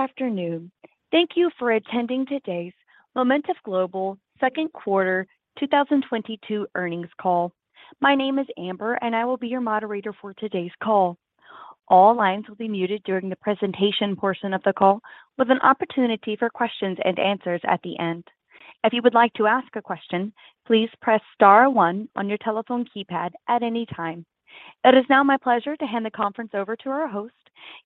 Good afternoon. Thank you for attending today's Momentive Global Q2 2022 earnings call. My name is Amber, and I will be your moderator for today's call. All lines will be muted during the presentation portion of the call with an opportunity for questions and answers at the end. If you would like to ask a question, please press star one on your telephone keypad at any time. It is now my pleasure to hand the conference over to our host,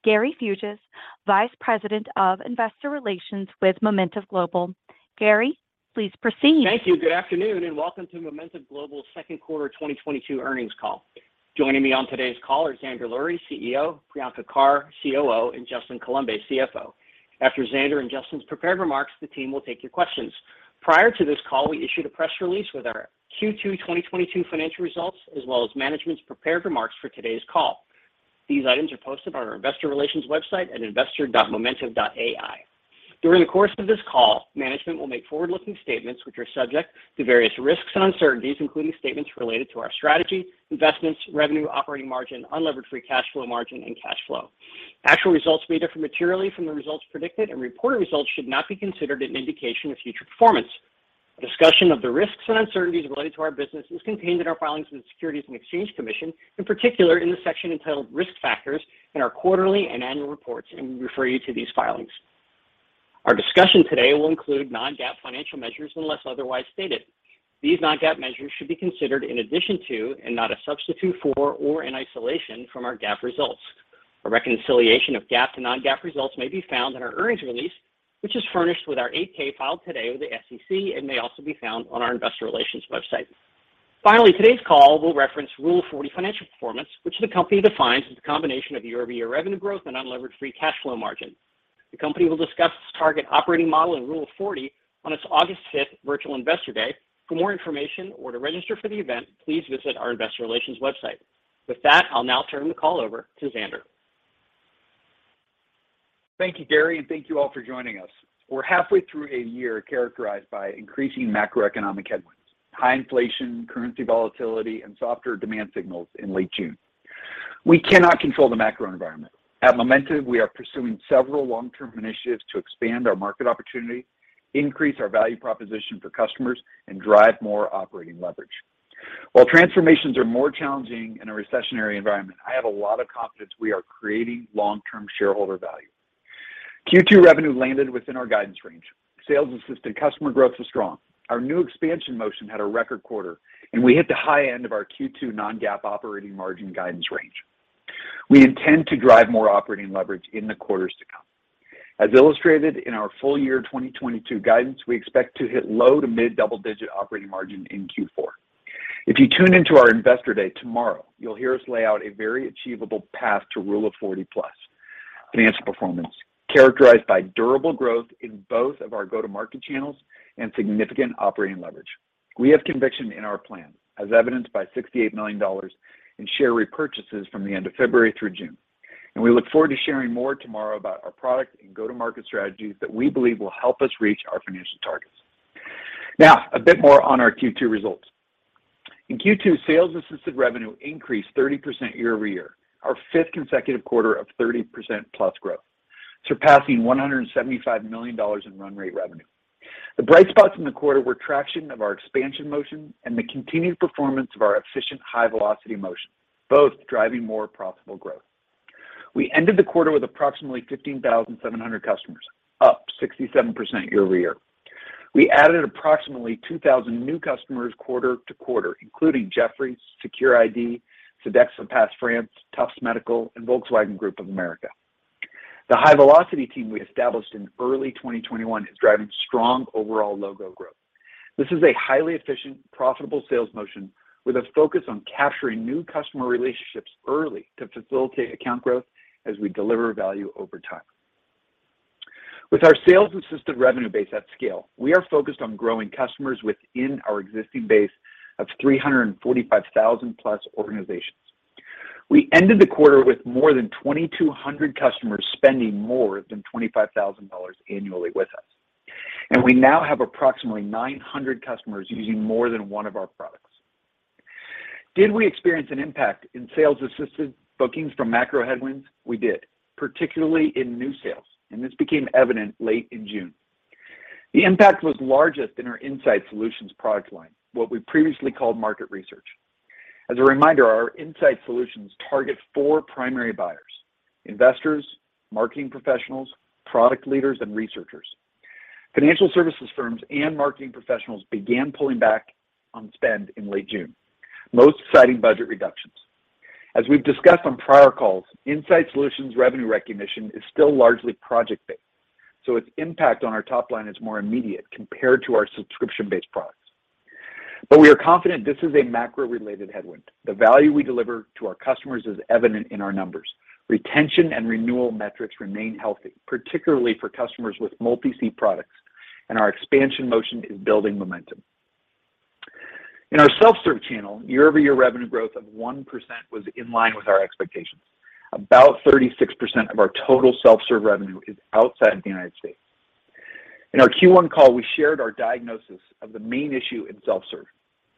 Gary J. Fuges, Vice President of Investor Relations with Momentive Global. Gary, please proceed. Thank you. Good afternoon, and welcome to Momentive Global's Q2 2022 earnings call. Joining me on today's call are Zander Lurie, CEO, Priyanka Carr, COO, and Justin Coulombe, CFO. After Zander and Justin's prepared remarks, the team will take your questions. Prior to this call, we issued a press release with our Q2 2022 financial results, as well as management's prepared remarks for today's call. These items are posted on our investor relations website at investor.momentive.ai. During the course of this call, management will make forward-looking statements which are subject to various risks and uncertainties, including statements related to our strategy, investments, revenue, operating margin, unlevered free cash flow margin, and cash flow. Actual results may differ materially from the results predicted, and reported results should not be considered an indication of future performance. A discussion of the risks and uncertainties related to our business is contained in our filings with the Securities and Exchange Commission, in particular in the section entitled Risk Factors in our quarterly and annual reports, and we refer you to these filings. Our discussion today will include non-GAAP financial measures unless otherwise stated. These non-GAAP measures should be considered in addition to and not a substitute for or in isolation from our GAAP results. A reconciliation of GAAP to non-GAAP results may be found in our earnings release, which is furnished with our 8-K filed today with the SEC and may also be found on our investor relations website. Finally, today's call will reference Rule of 40 financial performance, which the company defines as a combination of year-over-year revenue growth and unlevered free cash flow margin. The company will discuss its target operating model and Rule of 40 on its August fifth virtual Investor Day. For more information or to register for the event, please visit our investor relations website. With that, I'll now turn the call over to Zander. Thank you, Gary, and thank you all for joining us. We're halfway through a year characterized by increasing macroeconomic headwinds, high inflation, currency volatility, and softer demand signals in late June. We cannot control the macro environment. At Momentive, we are pursuing several long-term initiatives to expand our market opportunity, increase our value proposition for customers, and drive more operating leverage. While transformations are more challenging in a recessionary environment, I have a lot of confidence we are creating long-term shareholder value. Q2 revenue landed within our guidance range. Sales assisted customer growth was strong. Our new expansion motion had a record quarter, and we hit the high end of our Q2 non-GAAP operating margin guidance range. We intend to drive more operating leverage in the quarters to come. As illustrated in our full year 2022 guidance, we expect to hit low- to mid-double-digit operating margin in Q4. If you tune into our Investor Day tomorrow, you'll hear us lay out a very achievable path to Rule of 40-plus financial performance characterized by durable growth in both of our go-to-market channels and significant operating leverage. We have conviction in our plan, as evidenced by $68 million in share repurchases from the end of February through June, and we look forward to sharing more tomorrow about our product and go-to-market strategies that we believe will help us reach our financial targets. Now, a bit more on our Q2 results. In Q2, sales assisted revenue increased 30% year-over-year, our fifth consecutive quarter of 30% plus growth, surpassing $175 million in run rate revenue. The bright spots in the quarter were traction of our expansion motion and the continued performance of our efficient high velocity motion, both driving more profitable growth. We ended the quarter with approximately 15,700 customers, up 67% year-over-year. We added approximately 2,000 new customers quarter-over-quarter, including Jefferies, SecureAuth, Sodexo Pass France, Tufts Medical Center, and Volkswagen Group of America. The high velocity team we established in early 2021 is driving strong overall logo growth. This is a highly efficient, profitable sales motion with a focus on capturing new customer relationships early to facilitate account growth as we deliver value over time. With our sales assisted revenue base at scale, we are focused on growing customers within our existing base of 345,000 plus organizations. We ended the quarter with more than 2,200 customers spending more than $25,000 annually with us, and we now have approximately 900 customers using more than one of our products. Did we experience an impact in sales assisted bookings from macro headwinds? We did, particularly in new sales, and this became evident late in June. The impact was largest in our Market Insights Solutions product line, what we previously called market research. As a reminder, our Market Insights Solutions target four primary buyers, investors, marketing professionals, product leaders, and researchers. Financial services firms and marketing professionals began pulling back on spend in late June, most citing budget reductions. As we've discussed on prior calls, Market Insights Solutions revenue recognition is still largely project-based, so its impact on our top line is more immediate compared to our subscription-based products. We are confident this is a macro-related headwind. The value we deliver to our customers is evident in our numbers. Retention and renewal metrics remain healthy, particularly for customers with multi-seat products, and our expansion motion is building momentum. In our self-serve channel, year-over-year revenue growth of 1% was in line with our expectations. About 36% of our total self-serve revenue is outside the United States. In our Q1 call, we shared our diagnosis of the main issue in self-serve,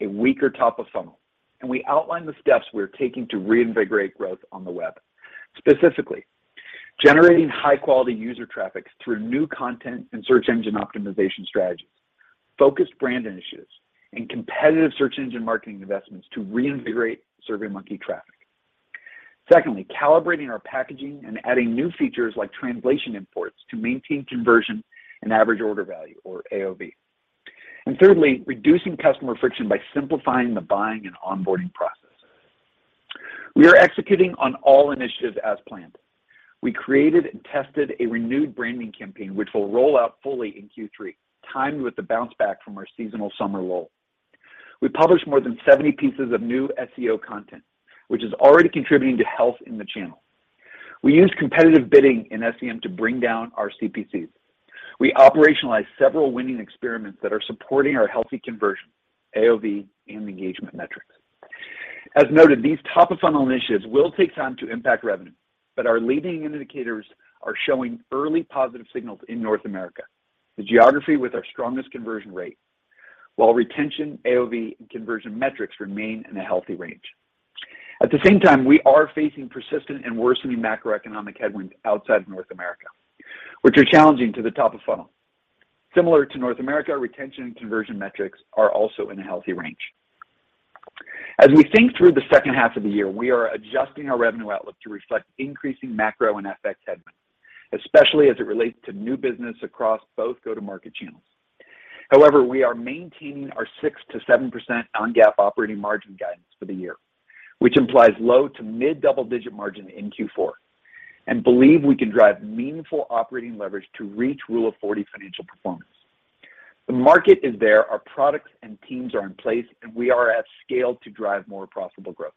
a weaker top of funnel, and we outlined the steps we are taking to reinvigorate growth on the web, specifically generating high quality user traffic through new content and search engine optimization strategies, focused brand initiatives and competitive search engine marketing investments to reinvigorate SurveyMonkey traffic. Secondly, calibrating our packaging and adding new features like translation imports to maintain conversion and average order value, or AOV. Thirdly, reducing customer friction by simplifying the buying and onboarding process. We are executing on all initiatives as planned. We created and tested a renewed branding campaign which will roll out fully in Q3, timed with the bounce back from our seasonal summer lull. We published more than 70 pieces of new SEO content, which is already contributing to health in the channel. We used competitive bidding in SEM to bring down our CPCs. We operationalized several winning experiments that are supporting our healthy conversion, AOV, and engagement metrics. As noted, these top-of-funnel initiatives will take time to impact revenue, but our leading indicators are showing early positive signals in North America, the geography with our strongest conversion rate, while retention, AOV, and conversion metrics remain in a healthy range. At the same time, we are facing persistent and worsening macroeconomic headwinds outside of North America, which are challenging to the top-of-funnel. Similar to North America, our retention and conversion metrics are also in a healthy range. As we think through the second half of the year, we are adjusting our revenue outlook to reflect increasing macro and FX headwinds, especially as it relates to new business across both go-to-market channels. However, we are maintaining our 6%-7% non-GAAP operating margin guidance for the year, which implies low- to mid-double-digit margin in Q4 and believe we can drive meaningful operating leverage to reach Rule of 40 financial performance. The market is there, our products and teams are in place, and we are at scale to drive more profitable growth.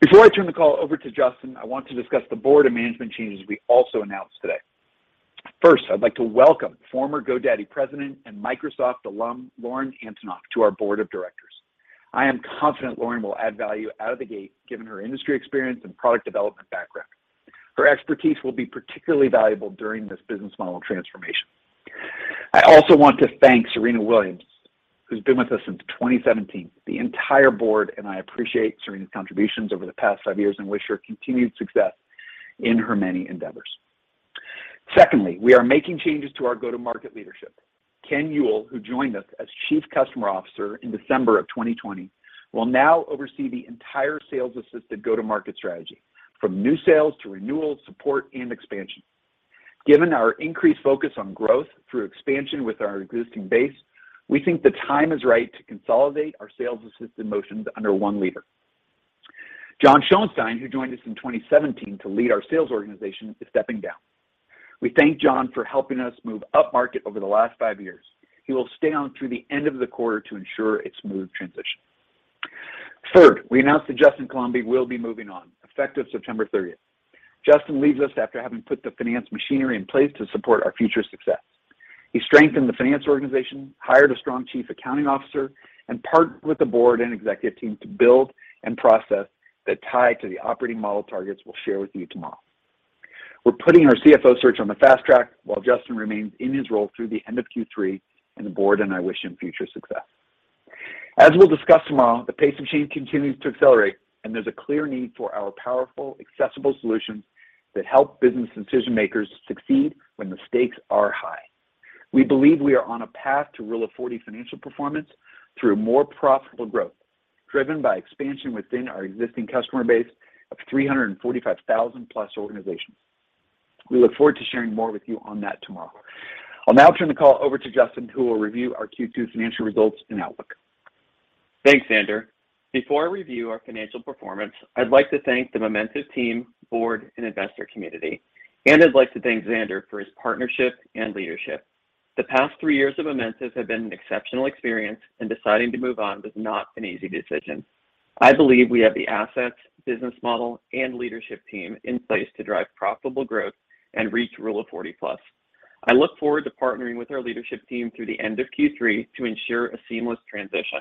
Before I turn the call over to Justin, I want to discuss the board and management changes we also announced today. First, I'd like to welcome former GoDaddy president and Microsoft alum, Lauren Antonoff, to our board of directors. I am confident Lauren will add value out of the gate given her industry experience and product development background. Her expertise will be particularly valuable during this business model transformation. I also want to thank Serena Williams, who's been with us since 2017. The entire board and I appreciate Serena's contributions over the past five years and wish her continued success in her many endeavors. Secondly, we are making changes to our go-to-market leadership. Kenneth Ewell, who joined us as Chief Customer Officer in December 2020, will now oversee the entire sales-assisted go-to-market strategy, from new sales to renewal, support and expansion. Given our increased focus on growth through expansion with our existing base, we think the time is right to consolidate our sales-assist motions under one leader. John Schoenstein, who joined us in 2017 to lead our sales organization, is stepping down. We thank John for helping us move upmarket over the last five years. He will stay on through the end of the quarter to ensure a smooth transition. Third, we announced that Justin Coulombe will be moving on effective September thirtieth. Justin leaves us after having put the finance machinery in place to support our future success. He strengthened the finance organization, hired a strong chief accounting officer, and partnered with the board and executive team to build and process that tie to the operating model targets we'll share with you tomorrow. We're putting our CFO search on the fast track while Justin remains in his role through the end of Q3, and the board and I wish him future success. As we'll discuss tomorrow, the pace of change continues to accelerate, and there's a clear need for our powerful, accessible solutions that help business decision makers succeed when the stakes are high. We believe we are on a path to Rule of 40 financial performance through more profitable growth, driven by expansion within our existing customer base of 345,000+ organizations. We look forward to sharing more with you on that tomorrow. I'll now turn the call over to Justin, who will review our Q2 financial results and outlook. Thanks, Zander. Before I review our financial performance, I'd like to thank the Momentive team, board, and investor community, and I'd like to thank Zander for his partnership and leadership. The past three years of Momentive have been an exceptional experience, and deciding to move on was not an easy decision. I believe we have the assets, business model, and leadership team in place to drive profitable growth and reach Rule of 40 plus. I look forward to partnering with our leadership team through the end of Q3 to ensure a seamless transition.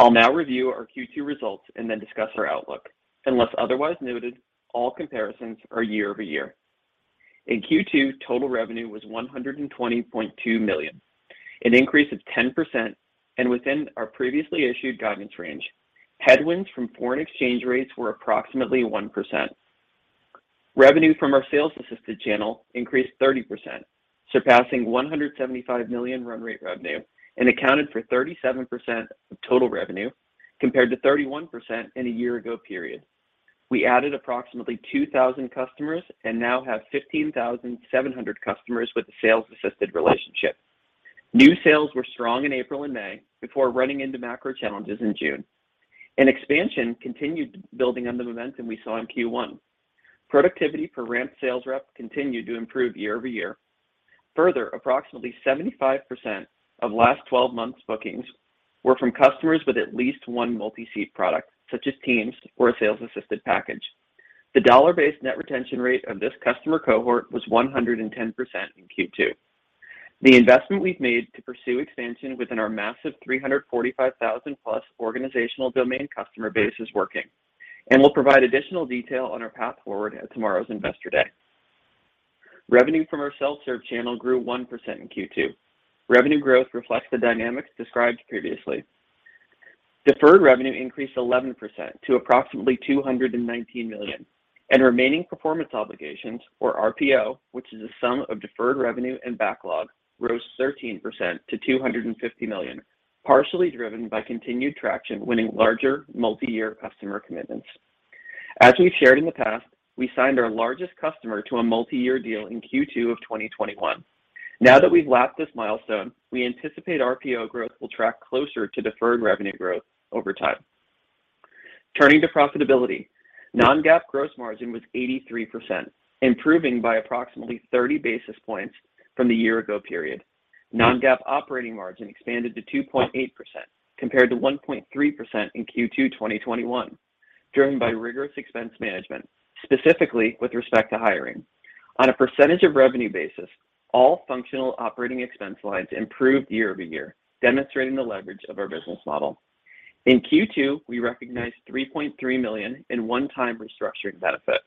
I'll now review our Q2 results and then discuss our outlook. Unless otherwise noted, all comparisons are year-over-year. In Q2, total revenue was $120.2 million, an increase of 10% and within our previously issued guidance range. Headwinds from foreign exchange rates were approximately 1%. Revenue from our sales-assisted channel increased 30%, surpassing $175 million run rate revenue and accounted for 37% of total revenue, compared to 31% in a year-ago period. We added approximately 2,000 customers and now have 15,700 customers with a sales-assisted relationship. New sales were strong in April and May before running into macro challenges in June. Expansion continued building on the momentum we saw in Q1. Productivity per ramped sales rep continued to improve year-over-year. Further, approximately 75% of last twelve months' bookings were from customers with at least one multi-seat product, such as Teams or a sales-assisted package. The dollar-based net retention rate of this customer cohort was 110% in Q2. The investment we've made to pursue expansion within our massive 345,000+ organizational domain customer base is working. We'll provide additional detail on our path forward at tomorrow's Investor Day. Revenue from our self-serve channel grew 1% in Q2. Revenue growth reflects the dynamics described previously. Deferred revenue increased 11% to approximately $219 million, and remaining performance obligations, or RPO, which is the sum of deferred revenue and backlog, rose 13% to $250 million, partially driven by continued traction winning larger multi-year customer commitments. As we've shared in the past, we signed our largest customer to a multi-year deal in Q2 of 2021. Now that we've lapped this milestone, we anticipate RPO growth will track closer to deferred revenue growth over time. Turning to profitability, non-GAAP gross margin was 83%, improving by approximately 30 basis points from the year ago period. Non-GAAP operating margin expanded to 2.8% compared to 1.3% in Q2 2021, driven by rigorous expense management, specifically with respect to hiring. On a percentage of revenue basis, all functional operating expense lines improved year-over-year, demonstrating the leverage of our business model. In Q2, we recognized $3.3 million in one-time restructuring benefit,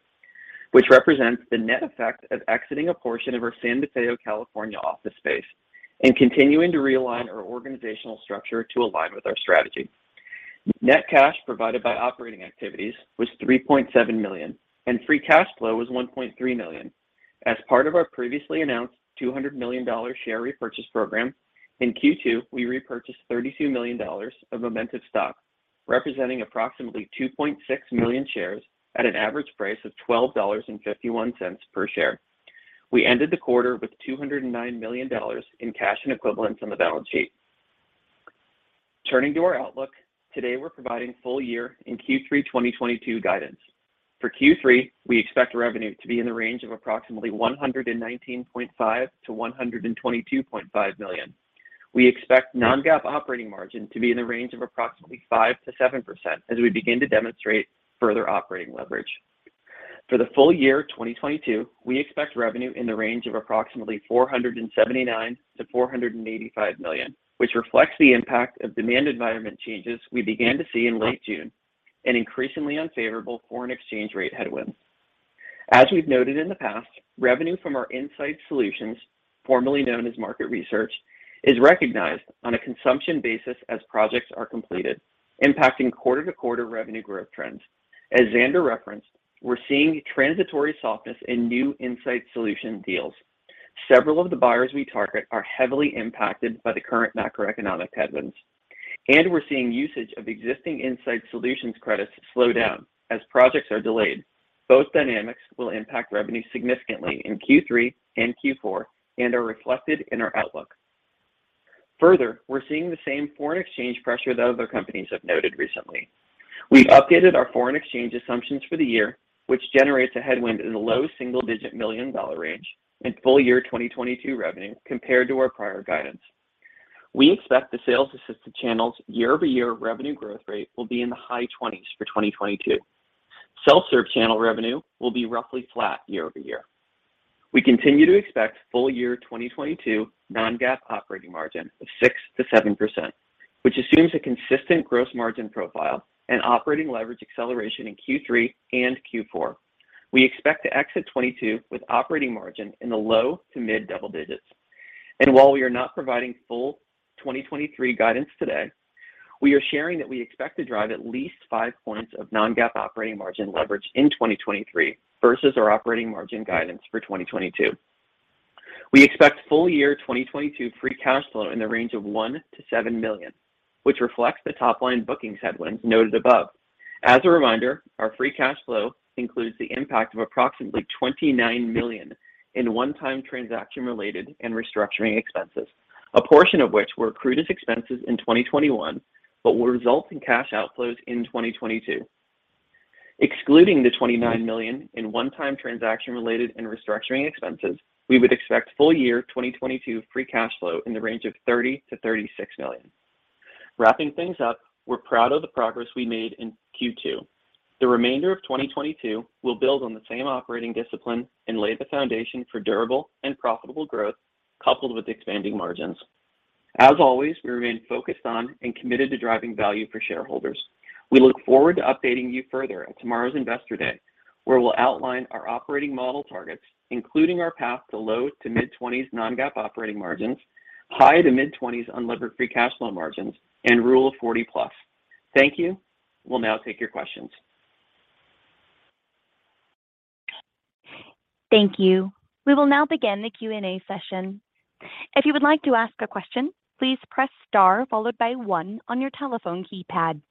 which represents the net effect of exiting a portion of our San Mateo, California office space and continuing to realign our organizational structure to align with our strategy. Net cash provided by operating activities was $3.7 million, and free cash flow was $1.3 million. As part of our previously announced $200 million share repurchase program, in Q2, we repurchased $32 million of Momentive stock, representing approximately 2.6 million shares at an average price of $12.51 per share. We ended the quarter with $209 million in cash and equivalents on the balance sheet. Turning to our outlook, today we're providing full year and Q3 2022 guidance. For Q3, we expect revenue to be in the range of approximately $119.5 million-$122.5 million. We expect non-GAAP operating margin to be in the range of approximately 5%-7% as we begin to demonstrate further operating leverage. For the full year 2022, we expect revenue in the range of approximately $479 million-$485 million, which reflects the impact of demand environment changes we began to see in late June and increasingly unfavorable foreign exchange rate headwinds. As we've noted in the past, revenue from our Insight Solutions, formerly known as Market Research, is recognized on a consumption basis as projects are completed, impacting quarter-to-quarter revenue growth trends. As Zander referenced, we're seeing transitory softness in new Insight Solution deals. Several of the buyers we target are heavily impacted by the current macroeconomic headwinds, and we're seeing usage of existing Insight Solutions credits slow down as projects are delayed. Both dynamics will impact revenue significantly in Q3 and Q4 and are reflected in our outlook. Further, we're seeing the same foreign exchange pressure that other companies have noted recently. We've updated our foreign exchange assumptions for the year, which generates a headwind in the low single-digit $ million range in full year 2022 revenue compared to our prior guidance. We expect the sales assistant channels year-over-year revenue growth rate will be in the high 20s for 2022. Self-serve channel revenue will be roughly flat year-over-year. We continue to expect full year 2022 non-GAAP operating margin of 6%-7%, which assumes a consistent gross margin profile and operating leverage acceleration in Q3 and Q4. We expect to exit 2022 with operating margin in the low to mid double digits. While we are not providing full 2023 guidance today, we are sharing that we expect to drive at least 5 points of non-GAAP operating margin leverage in 2023 versus our operating margin guidance for 2022. We expect full year 2022 free cash flow in the range of $1 million-$7 million, which reflects the top-line bookings headwinds noted above. As a reminder, our free cash flow includes the impact of approximately $29 million in one-time transaction-related and restructuring expenses, a portion of which were accrued as expenses in 2021, but will result in cash outflows in 2022. Excluding the $29 million in one-time transaction-related and restructuring expenses, we would expect full year 2022 free cash flow in the range of $30 million-$36 million. Wrapping things up, we're proud of the progress we made in Q2. The remainder of 2022 will build on the same operating discipline and lay the foundation for durable and profitable growth coupled with expanding margins. As always, we remain focused on and committed to driving value for shareholders. We look forward to updating you further at tomorrow's Investor Day, where we'll outline our operating model targets, including our path to low- to mid-20s% non-GAAP operating margins, high- to mid-20s% unlevered free cash flow margins, and Rule of 40+. Thank you. We'll now take your questions. Thank you. We will now begin the Q&A session. If you would like to ask a question, please press star followed by one on your telephone keypad.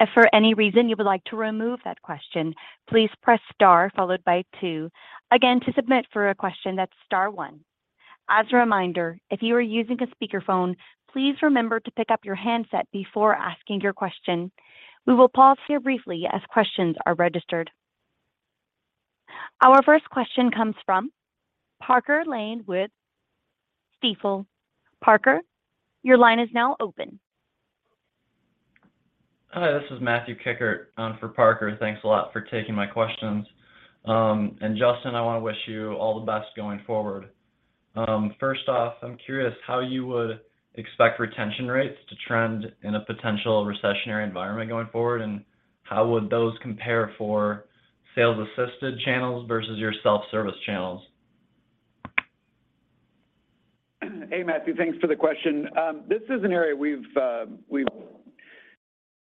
If for any reason you would like to remove that question, please press star followed by two. Again, to submit for a question, that's star one. As a reminder, if you are using a speakerphone, please remember to pick up your handset before asking your question. We will pause here briefly as questions are registered. Our first question comes from Parker Lane with Stifel. Parker, your line is now open. Hi, this is Matthew Kickert for Parker. Thanks a lot for taking my questions. Justin, I want to wish you all the best going forward. First off, I'm curious how you would expect retention rates to trend in a potential recessionary environment going forward, and how would those compare for sales-assisted channels versus your self-service channels? Hey, Matthew. Thanks for the question. This is an area we've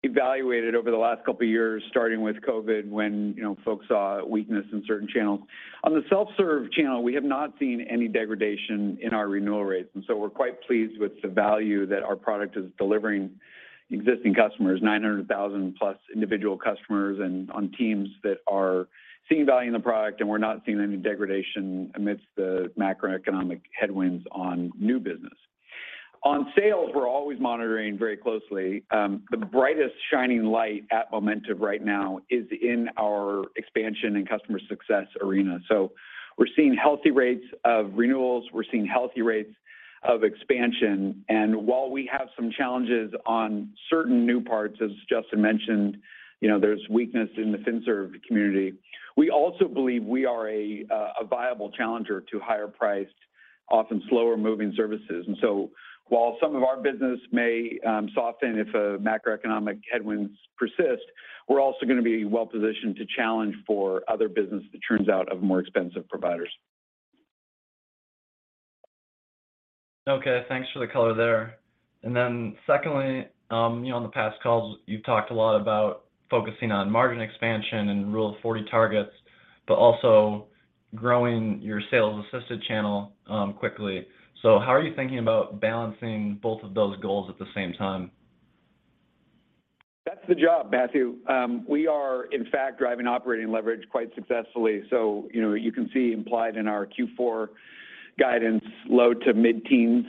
evaluated over the last couple years, starting with COVID when folks saw weakness in certain channels. On the self-serve channel, we have not seen any degradation in our renewal rates, and we're quite pleased with the value that our product is delivering existing customers, 900,000 plus individual customers and on teams that are seeing value in the product, and we're not seeing any degradation amidst the macroeconomic headwinds on new business. On sales, we're always monitoring very closely. The brightest shining light at Momentive right now is in our expansion and customer success arena. We're seeing healthy rates of renewals. We're seeing healthy rates of expansion. While we have some challenges on certain new parts, as Justin mentioned there's weakness in the financial services community. We also believe we are a viable challenger to higher-priced, often slower-moving services. While some of our business may soften if macroeconomic headwinds persist, we're also going to be well-positioned to challenge for other business that turns out of more expensive providers. Okay. Thanks for the color there. Then secondly on the past calls, you've talked a lot about focusing on margin expansion and rule forty targets, but also growing your sales-assisted channel, quickly. How are you thinking about balancing both of those goals at the same time? That's the job, Matthew. We are in fact driving operating leverage quite successfully. You can see implied in our Q4 guidance low- to mid-teens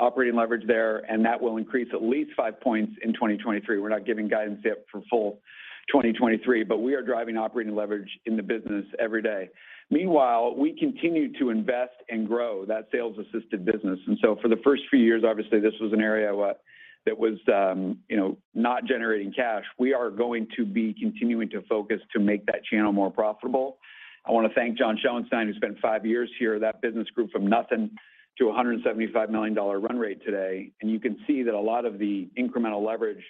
operating leverage there, and that will increase at least 5 points in 2023. We're not giving guidance yet for full 2023, but we are driving operating leverage in the business every day. Meanwhile, we continue to invest and grow that sales-assisted business. For the first few years, obviously, this was an area that was not generating cash. We are going to be continuing to focus to make that channel more profitable. I want to thank John Schoenstein, who spent 5 years here. That business grew from nothing to a $175 million run rate today. You can see that a lot of the incremental leverage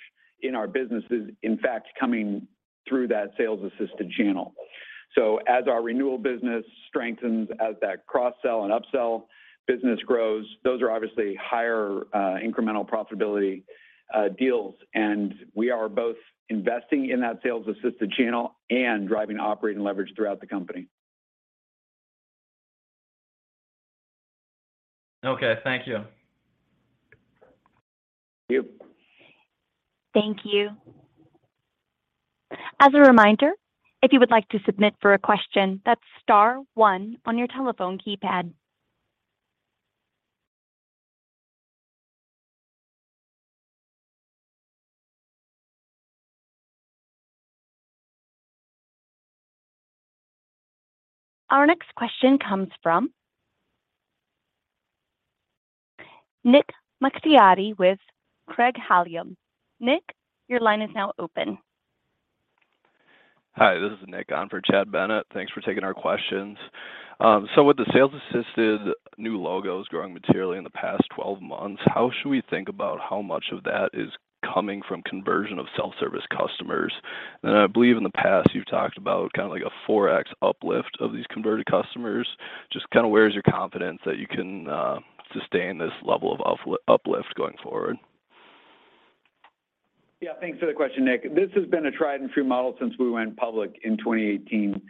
in our business is in fact coming through that sales-assisted channel. As our renewal business strengthens, as that cross-sell and up-sell business grows, those are obviously higher, incremental profitability, deals. We are both investing in that sales-assisted channel and driving operating leverage throughout the company. Okay. Thank you. Thank you. Thank you. As a reminder, if you would like to submit for a question, that's star one on your telephone keypad. Our next question comes from Nick Altmann with Craig-Hallum. Nick, your line is now open. Hi, this is Nick on for Chad Bennett. Thanks for taking our questions. So with the sales-assisted new logos growing materially in the past 12 months, how should we think about how much of that is coming from conversion of self-service customers? I believe in the past you've talked about kinda like a 4x uplift of these converted customers. Just kinda where is your confidence that you can sustain this level of uplift going forward? Yeah, thanks for the question, Nick. This has been a tried and true model since we went public in 2018.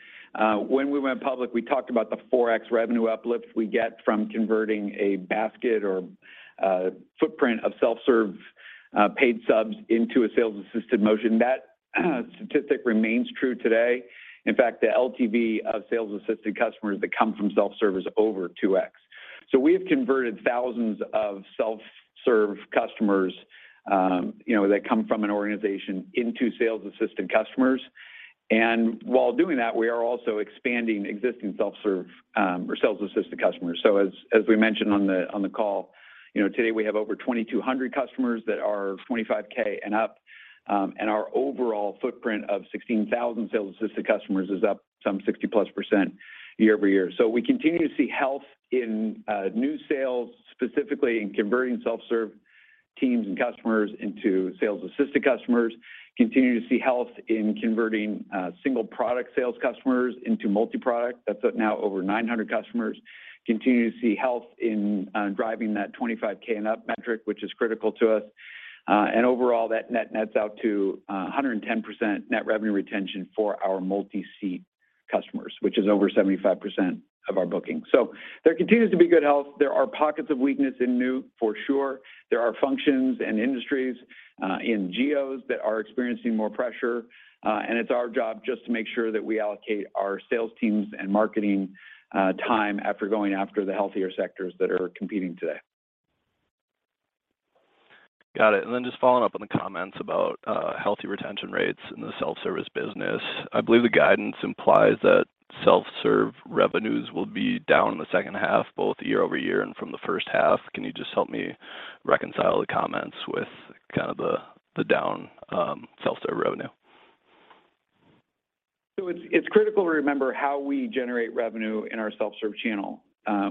When we went public, we talked about the 4x revenue uplifts we get from converting a basket or footprint of self-serve paid subs into a sales-assisted motion. That statistic remains true today. In fact, the LTV of sales-assisted customers that come from self-serve is over 2x. We have converted thousands of self-serve customers that come from an organization into sales-assisted customers. While doing that, we are also expanding existing self-serve or sales-assisted customers. As we mentioned on the call today we have over 2,200 customers that are 25K and up. Our overall footprint of 16,000 sales-assisted customers is up some 60%+ year-over-year. We continue to see health in new sales, specifically in converting self-serve teams and customers into sales-assisted customers. Continue to see health in converting single product sales customers into multi-product. That's now over 900 customers. Continue to see health in driving that 25K and up metric, which is critical to us. And overall, that nets out to 110% net revenue retention for our multi-seat customers, which is over 75% of our bookings. There continues to be good health. There are pockets of weakness in new for sure. There are functions and industries in geos that are experiencing more pressure. It's our job just to make sure that we allocate our sales teams and marketing time after going after the healthier sectors that are competing today. Got it. Just following up on the comments about healthy retention rates in the self-service business. I believe the guidance implies that self-serve revenues will be down in the second half, both year over year and from the first half. Can you just help me reconcile the comments with kind of the down self-serve revenue? It's critical to remember how we generate revenue in our self-serve channel.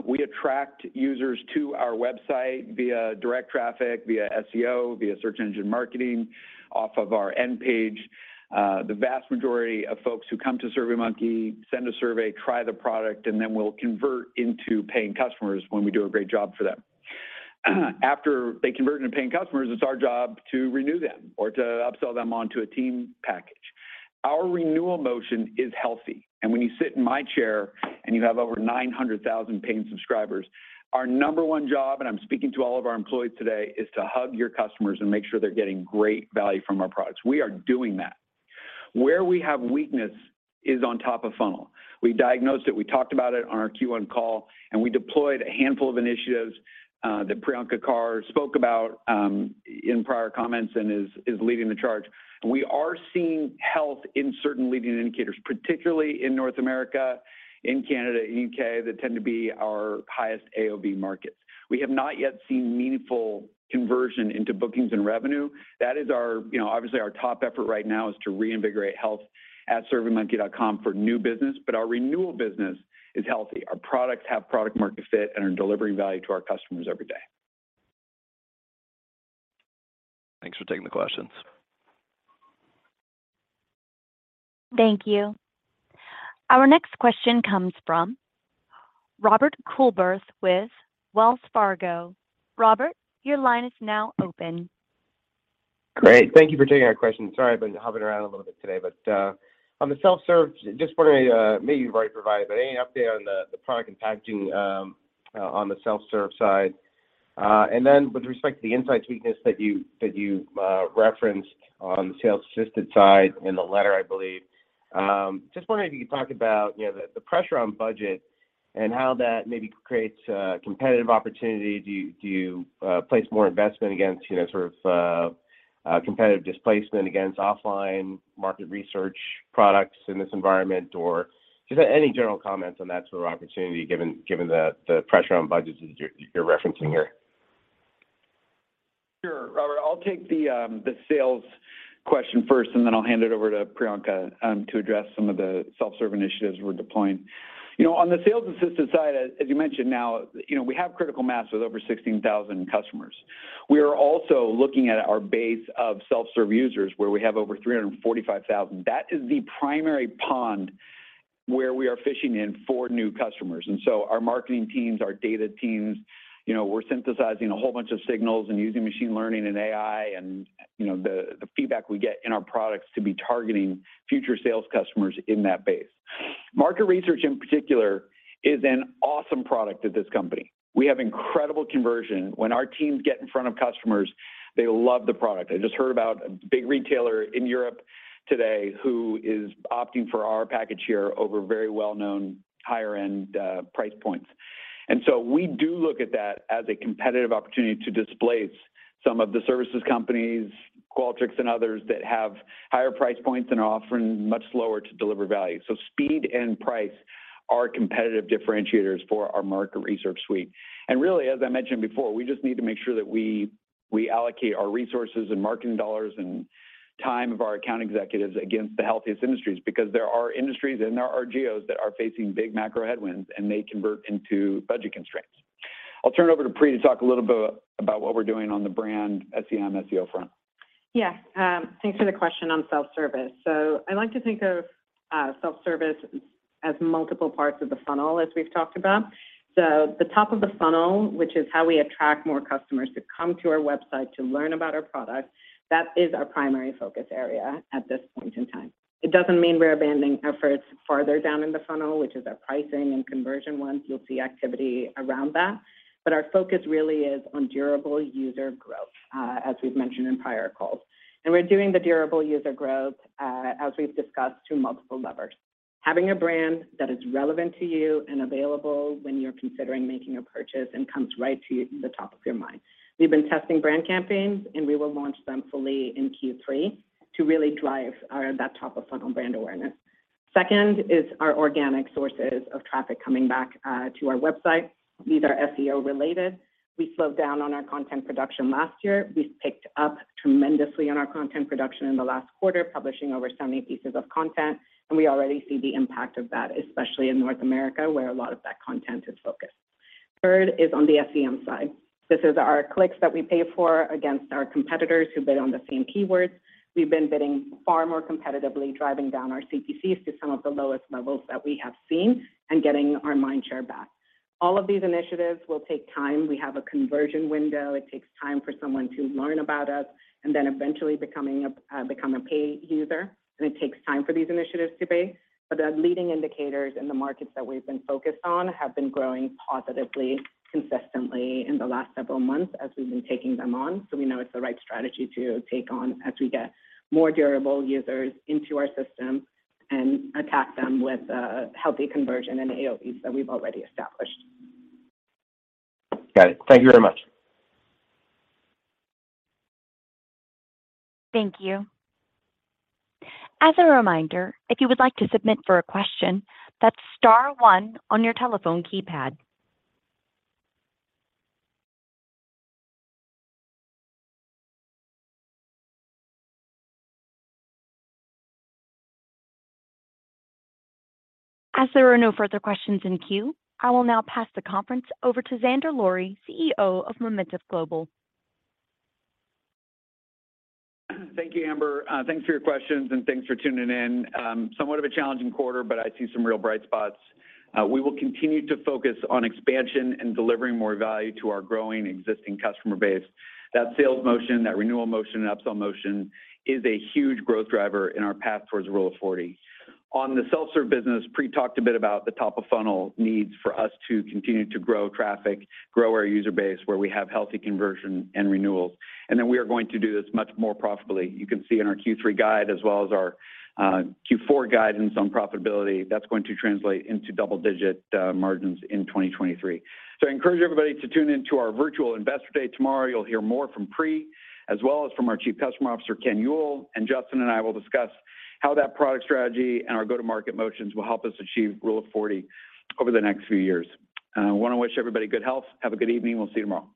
We attract users to our website via direct traffic, via SEO, via search engine marketing, off of our end page. The vast majority of folks who come to SurveyMonkey send a survey, try the product, and then will convert into paying customers when we do a great job for them. After they convert into paying customers, it's our job to renew them or to upsell them onto a team package. Our renewal motion is healthy, and when you sit in my chair and you have over 900,000 paying subscribers, our number one job, and I'm speaking to all of our employees today, is to hug your customers and make sure they're getting great value from our products. We are doing that. Where we have weakness is on top of funnel. We diagnosed it, we talked about it on our Q1 call, and we deployed a handful of initiatives that Priyanka Carr spoke about in prior comments and is leading the charge. We are seeing health in certain leading indicators, particularly in North America, in Canada, U.K., that tend to be our highest AOV markets. We have not yet seen meaningful conversion into bookings and revenue. That is our obviously our top effort right now is to reinvigorate health at SurveyMonkey.com for new business, but our renewal business is healthy. Our products have product market fit and are delivering value to our customers every day. Thanks for taking the questions. Thank you. Our next question comes from Robert Coolbrith with Wells Fargo. Robert, your line is now open. Great. Thank you for taking our question. Sorry, I've been hopping around a little bit today. On the self-serve, just wondering, maybe you've already provided, but any update on the product impacting on the self-serve side? With respect to the insight weakness that you referenced on the sales assisted side in the letter, I believe, just wondering if you could talk about the pressure on budget and how that maybe creates a competitive opportunity. Do you place more investment against sort of, competitive displacement against offline market research products in this environment? Just any general comments on that sort of opportunity given the pressure on budgets as you're referencing here. Sure. Robert, I'll take the sales question first, and then I'll hand it over to Priyanka to address some of the self-serve initiatives we're deploying. On the sales assistant side, as you mentioned now we have critical mass with over 16,000 customers. We are also looking at our base of self-serve users, where we have over 345,000. That is the primary pond where we are fishing in for new customers. Our marketing teams, our data teams we're synthesizing a whole bunch of signals and using machine learning and AI and the feedback we get in our products to be targeting future sales customers in that base. Market research in particular is an awesome product at this company. We have incredible conversion. When our teams get in front of customers, they love the product. I just heard about a big retailer in Europe today who is opting for our package here over very well-known higher-end price points. We do look at that as a competitive opportunity to displace some of the services companies, Qualtrics and others, that have higher price points and are offering much lower to deliver value. Speed and price are competitive differentiators for our market research suite. Really, as I mentioned before, we just need to make sure that we allocate our resources and marketing dollars and time of our account executives against the healthiest industries because there are industries and there are geos that are facing big macro headwinds, and they convert into budget constraints. I'll turn it over to Pri to talk a little bit about what we're doing on the brand SEM, SEO front. Yeah. Thanks for the question on self-service. I like to think of self-service as multiple parts of the funnel as we've talked about. The top of the funnel, which is how we attract more customers to come to our website to learn about our product, that is our primary focus area at this point in time. It doesn't mean we're abandoning efforts farther down in the funnel, which is our pricing and conversion ones. You'll see activity around that. Our focus really is on durable user growth as we've mentioned in prior calls. We're doing the durable user growth as we've discussed, through multiple levers. Having a brand that is relevant to you and available when you're considering making a purchase and comes right to the top of your mind. We've been testing brand campaigns, and we will launch them fully in Q3 to really drive our, that top-of-funnel brand awareness. Second is our organic sources of traffic coming back to our website. These are SEO related. We slowed down on our content production last year. We've picked up tremendously on our content production in the last quarter, publishing over 70 pieces of content, and we already see the impact of that, especially in North America where a lot of that content is focused. Third is on the SEM side. This is our clicks that we pay for against our competitors who bid on the same keywords. We've been bidding far more competitively, driving down our CPCs to some of the lowest levels that we have seen and getting our mind share back. All of these initiatives will take time. We have a conversion window. It takes time for someone to learn about us and then eventually become a paid user, and it takes time for these initiatives to bear. The leading indicators in the markets that we've been focused on have been growing positively, consistently in the last several months as we've been taking them on. We know it's the right strategy to take on as we get more durable users into our system and attack them with healthy conversion and AOV that we've already established. Got it. Thank you very much. Thank you. As a reminder, if you would like to submit for a question, that's star one on your telephone keypad. As there are no further questions in queue, I will now pass the conference over to Zander Lurie, CEO of Momentive Global. Thank you, Amber. Thanks for your questions, and thanks for tuning in. Somewhat of a challenging quarter, but I see some real bright spots. We will continue to focus on expansion and delivering more value to our growing existing customer base. That sales motion, that renewal motion, and upsell motion is a huge growth driver in our path towards Rule of 40. On the self-serve business, Pri talked a bit about the top-of-funnel needs for us to continue to grow traffic, grow our user base where we have healthy conversion and renewals, and then we are going to do this much more profitably. You can see in our Q3 guide as well as our Q4 guidance on profitability, that's going to translate into double-digit margins in 2023. I encourage everybody to tune in to our virtual Investor Day tomorrow. You'll hear more from Pri as well as from our Chief Customer Officer, Kenneth Ewell, and Justin and I will discuss how that product strategy and our go-to-market motions will help us achieve Rule of 40 over the next few years. I want to wish everybody good health. Have a good evening. We'll see you tomorrow.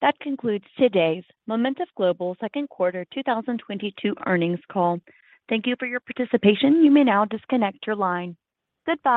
That concludes today's Momentive Global Q2 2022 earnings call. Thank you for your participation. You may now disconnect your line. Goodbye